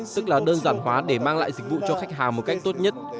tức là đơn giản hóa để mang lại dịch vụ cho khách hàng một cách tốt nhất